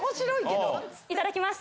いただきます。